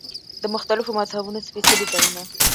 د مختلفو مذهبونو سپېڅلي ځایونه.